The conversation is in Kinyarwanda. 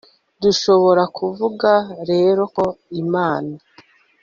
dushobora kuvuga rero ko imana